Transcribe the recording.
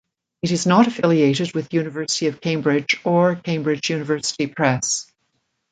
It is not affiliated with the University of Cambridge or Cambridge University Press.